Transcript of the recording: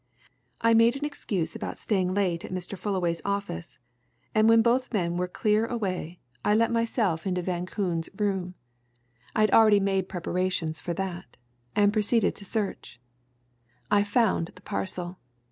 I made an excuse about staying late at Mr. Fullaway's office and when both men were clear away I let myself into Van Koon's room I'd already made preparations for that and proceeded to search. I found the parcel.